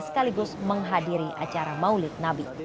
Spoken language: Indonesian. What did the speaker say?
sekaligus menghadiri acara maulid nabi